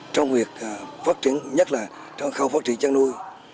trong việc phát triển nhất là trong khâu phát triển chăn nuôi